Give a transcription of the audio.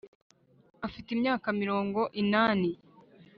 afite imyaka mirongo inani